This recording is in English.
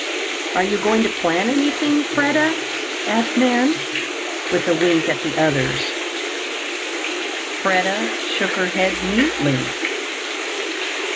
"Are you going to plant anything, Freda?" asked Nan, with a wink at the others. Freda shook her head mutely.